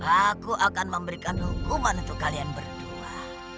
aku akan memberikan hukuman untuk kalian berdua